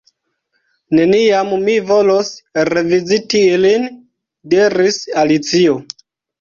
"Neniam mi volos reviziti ilin" diris Alicio.